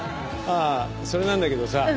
ああそれなんだけどさ。